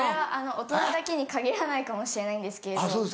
大人だけに限らないかもしれないんですけれど。